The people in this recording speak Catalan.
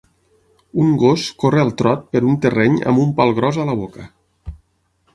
Un gos corre al trot per un terreny amb un pal gros a la boca.